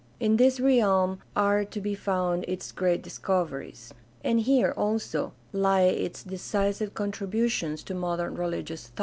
In this realm are to be found its great discoveries. And here, also, lie its decisive contributions to modern religious thought.